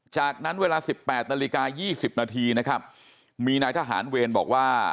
จากนั้นเวลา๑๘นาฬิกา๒๐นาทีนะครับมีนายทหารเวรบอกว่า